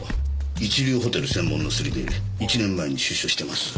一流ホテル専門のスリで１年前に出所してます。